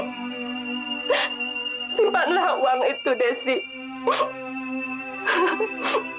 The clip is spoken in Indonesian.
masa kamu sudah tidak mengenali mama kamu sendiri